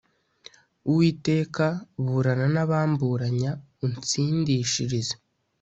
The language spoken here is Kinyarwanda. Uwiteka burana nabamburanya unstindishirize